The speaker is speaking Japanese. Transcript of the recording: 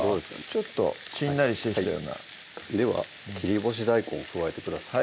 ちょっとしんなりしてきたようなでは切り干し大根加えてください